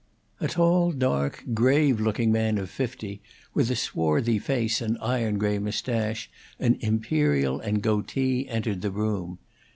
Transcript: A tall, dark, grave looking man of fifty, with a swarthy face and iron gray mustache and imperial and goatee, entered the room.